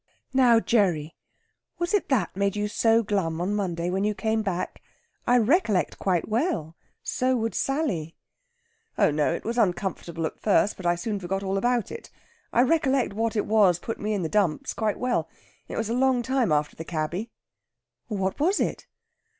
"Now, Gerry, was it that made you so glum on Monday when you came back? I recollect quite well. So would Sally." "Oh no; it was uncomfortable at first, but I soon forgot all about it. I recollect what it was put me in the dumps quite well. It was a long time after the cabby." "What was it?"